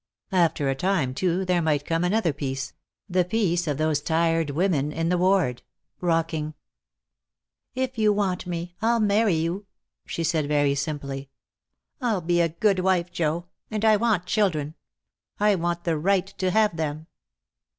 After a time, too, there might come another peace, the peace of those tired women in the ward, rocking. "If you want me, I'll marry you," she said, very simply. "I'll be a good wife, Joe. And I want children. I want the right to have them."